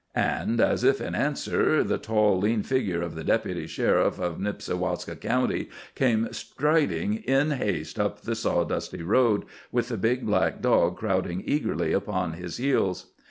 And, as if in answer, the tall, lean figure of the Deputy Sheriff of Nipsiwaska County came striding in haste up the sawdusty road, with the big, black dog crowding eagerly upon his heels.